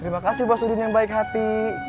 terima kasih mas udin yang baik hati